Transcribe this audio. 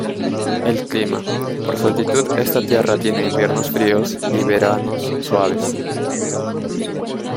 El clima: por su altitud esta tierra tiene inviernos fríos y veranos suaves.